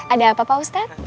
ada apa pak ustaz